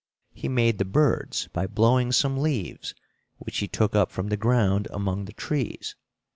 He made the birds by blowing some leaves, which he took up from the ground, among the trees.